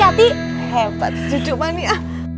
ya hebat cucu mambana